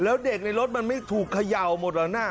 แล้วเด็กในรถมันไม่ถูกเขย่าหมดแล้วนะ